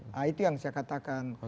nah itu yang saya katakan